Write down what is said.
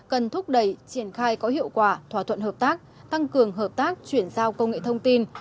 cần thúc đẩy triển khai có hiệu quả thỏa thuận hợp tác tăng cường hợp tác chuyển giao công nghệ thông tin